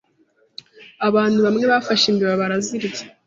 Abantu bamwe bafashe imbeba barazirya.